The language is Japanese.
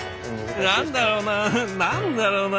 「何だろうな何だろうな」